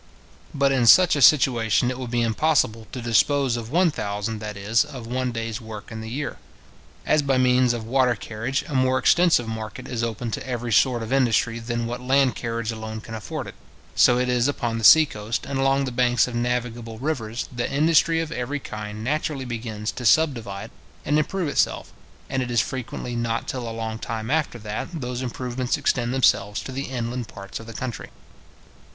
But in such a situation it would be impossible to dispose of one thousand, that is, of one day's work in the year. As by means of water carriage, a more extensive market is opened to every sort of industry than what land carriage alone can afford it, so it is upon the sea coast, and along the banks of navigable rivers, that industry of every kind naturally begins to subdivide and improve itself, and it is frequently not till a long time after that those improvements extend themselves to the inland parts of the country.